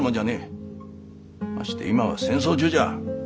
まして今は戦争中じゃ。